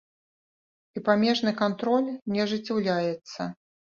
І памежны кантроль не ажыццяўляецца.